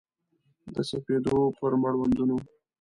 د سپېدو پر مړوندونو